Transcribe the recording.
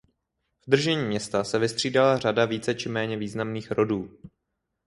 V držení města se vystřídala řada více či méně významných rodů.